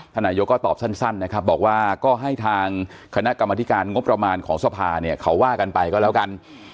นายกก็ตอบสั้นนะครับบอกว่าก็ให้ทางคณะกรรมธิการงบประมาณของสภาเนี่ยเขาว่ากันไปก็แล้วกัน